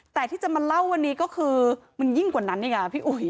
แต่ที่จะมาเล่าวันนี้ก็คือมันยิ่งกว่านั้นนี่ไงพี่อุ๋ย